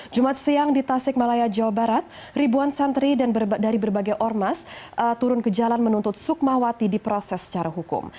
jumat siang di tasik malaya jawa barat ribuan santri dan dari berbagai ormas turun ke jalan menuntut sukmawati di proses secara hukum